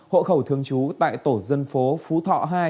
hộ khẩu thương chú tại tổ dân phố phú thọ hai